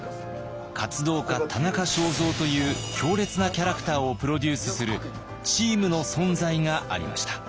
「活動家・田中正造」という強烈なキャラクターをプロデュースするチームの存在がありました。